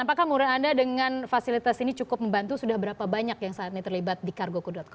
apakah menurut anda dengan fasilitas ini cukup membantu sudah berapa banyak yang saat ini terlibat di cargo com